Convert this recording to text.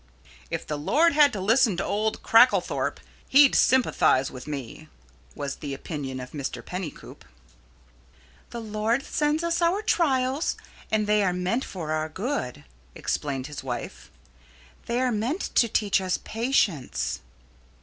"If the Lord had to listen to old Cracklethorpe He'd sympathize with me," was the opinion of Mr. Pennycoop. "The Lord sends us our trials, and they are meant for our good," explained his wife. "They are meant to teach us patience."